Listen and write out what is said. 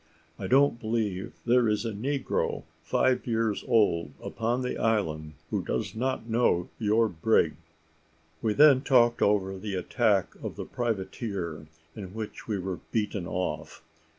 "I don't believe there is a negro five years old upon the island who does not know your brig." We then talked over the attack of the privateer, in which we were beaten off.